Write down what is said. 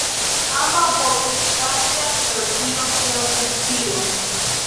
Ambaŭ voĉoj ŝanĝas per tio sian funkcion.